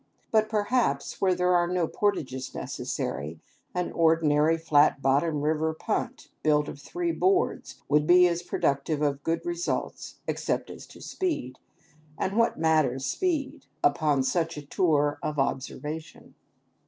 But perhaps, where there are no portages necessary, an ordinary flat bottomed river punt, built of three boards, would be as productive of good results, except as to speed, and what matters speed upon such a tour of observation?